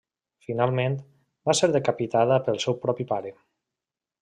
Finalment, va ser decapitada pel seu propi pare.